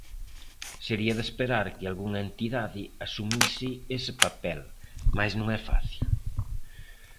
Sería de esperar que algunha entidade asumise ese papel, mais non é fácil.